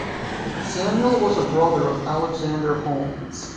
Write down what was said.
Samuel was a brother of Alexander Holmes.